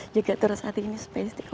juga terus hati ini supaya istiqomah